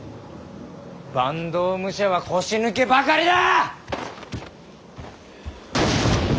坂東武者は腰抜けばかりだ！